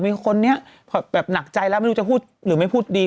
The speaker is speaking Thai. มีคนนี้แบบหนักใจแล้วไม่รู้จะพูดหรือไม่พูดดี